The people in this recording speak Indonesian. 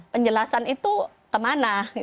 penjelasan itu kemana